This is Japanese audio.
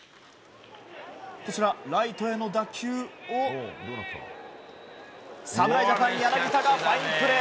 ライトへの打球を侍ジャパン柳田がファインプレー。